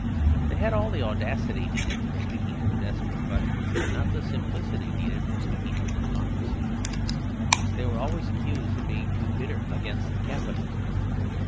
They had all the audacity needed for speaking to the despot; but not the simplicity needed for speaking to the democracy. They were always accused of being too bitter against the capitalist.